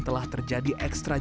telah terjadi ekstradisi